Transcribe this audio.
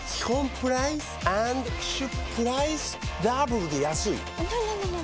プライスダブルで安いＮｏ！